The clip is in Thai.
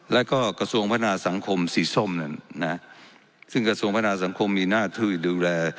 แล้วก็กระทรวงพัฒนาสังคมสีส้มนั่นนะซึ่งกระทรวงพัฒนาสังคมมีหน้าที่ดูแล